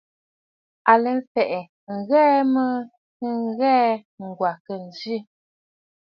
À lɛ mfɛ̀ʼɛ̀, ŋghə mə kɨ ghɛ̀ɛ̀, Ŋ̀gwà a khê ǹzi.